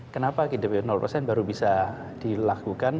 kenapa dp baru bisa dilakukan